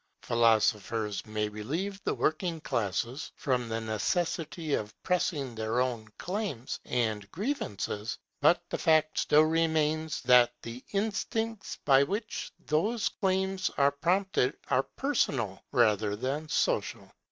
Philosophers may relieve the working classes from the necessity of pressing their own claims and grievances; but the fact still remains, that the instincts by which those claims are prompted are personal rather than social.